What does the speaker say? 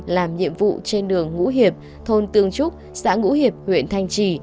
làm nhiệm vụ trên đường ngũ hiệp thôn tương trúc xã ngũ hiệp huyện thanh trì